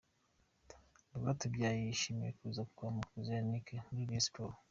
Rwatubyaye yishimiye kuza kwa Mukunzi Yannick muri Rayon Sports.